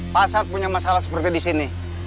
pasar punya masalah seperti disini